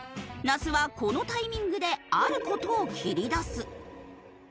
那須はこのタイミングである事を切り出す。